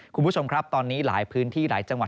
คุณผู้ชมครับตอนนี้หลายพื้นที่หลายจังหวัด